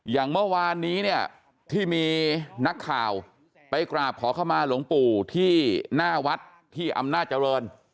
อย่างเมื่อวานนี้เนี่ยที่มีนักข่าวไปกราบขอเข้ามาหลวงปู่ที่หน้าวัดที่อำนาจเจริญ